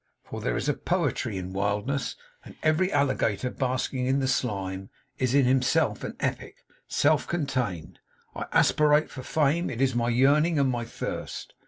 For there is a poetry in wildness, and every alligator basking in the slime is in himself an Epic, self contained. I aspirate for fame. It is my yearning and my thirst.